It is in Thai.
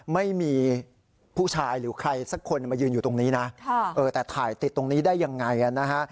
ไม่มีผู้ชายหรือใครสักคนมายืนอยู่ตรงนี้นะแต่ถ่ายติดตรงนี้ได้ยังไงนะฮะ